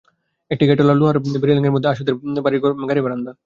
একটি গেটওয়ালা লোহার রেলিঙের মধ্যে আশুদের বাড়ির গাড়িবারান্দা।